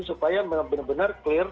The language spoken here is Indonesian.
supaya benar benar clear